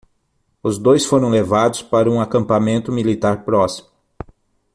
Os dois foram levados para um acampamento militar próximo.